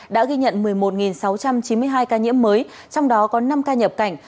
đã ghi nhận một mươi một sáu trăm chín mươi hai ca nhiễm mới trong đó có năm ca nhập cảnh